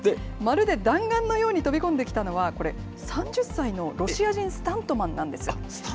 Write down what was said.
まるで弾丸のように飛び込んできたのは、これ、３０歳のロシア人スタントマン？